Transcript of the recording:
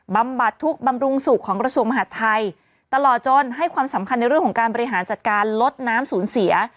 บำบัดทุกข์บำรุงสุขของกระทรวงมหาดไทยตลอดจนให้ความสำคัญในเรื่องของการบริหารจัดการลดน้ำสูญเสีย